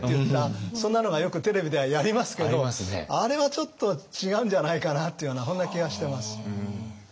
そんなのがよくテレビではやりますけどあれはちょっと違うんじゃないかなっていうようなそんな気がしてます。